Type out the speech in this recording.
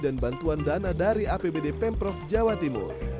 dan bantuan dana dari apbd pemprov jawa timur